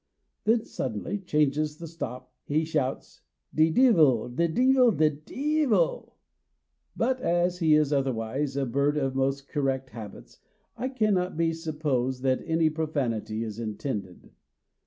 then, suddenly changing the stop, he shouts, "De deevil! de deevil! de deevil!" but, as he is otherwise a bird of the most correct habits, it cannot be supposed that any profanity is intended.